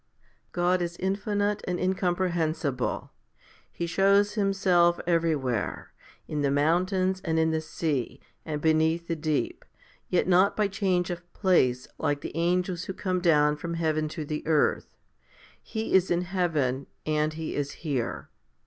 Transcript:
5. God is infinite and incomprehensible. He shows Himself everywhere, in the mountains, and in the sea, and beneath the deep ; yet not by change of place, like the angels who come down from heaven to the earth. He is in heaven, and He is here.